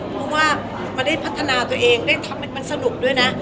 พี่ว่ามันได้พัฒนาตัวเองมันสนุกด้วยนะ